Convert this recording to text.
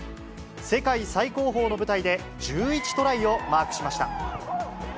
世界最高峰の舞台で、１１トライをマークしました。